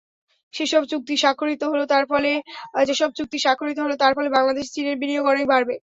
যেসব চুক্তি স্বাক্ষরিত হলো, তার ফলে বাংলাদেশে চীনের বিনিয়োগ অনেক বাড়বে।